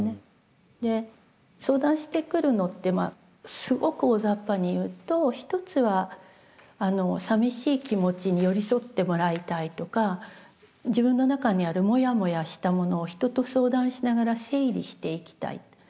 で相談してくるのってすごく大ざっぱに言うと一つはさみしい気持ちに寄り添ってもらいたいとか自分の中にあるもやもやしたものを人と相談しながら整理していきたい。